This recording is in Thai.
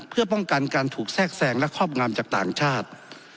เพื่อป้องกันการถูกแทรกแซงและครอบงำจากต่างชาติ